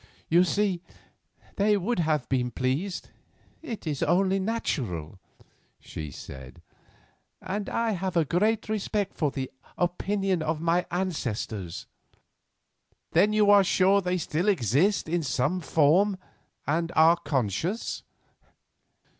"You see, they would have been pleased; it is only natural," she said; "and I have a great respect for the opinion of my ancestors." "Then you are sure they still exist in some shape or form, and are conscious?"